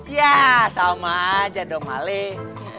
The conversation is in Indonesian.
ya sama aja dong maling